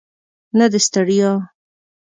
نه د ستړیا.